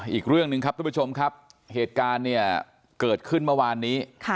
อีกเรื่องหนึ่งครับทุกผู้ชมครับเหตุการณ์เนี่ยเกิดขึ้นเมื่อวานนี้